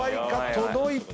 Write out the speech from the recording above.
届いたか？